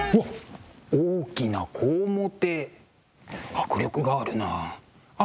迫力があるなあ。